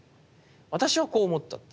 私はこう思ったって。